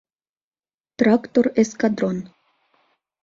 Трактор эскадрон